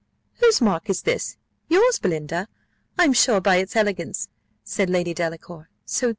"Whose mark is this? Yours, Belinda, I am sure, by its elegance," said Lady Delacour. "So!